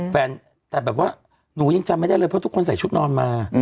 แฟนแต่แบบว่าหนูยังจำไม่ได้เลยเพราะทุกคนใส่ชุดนอนมา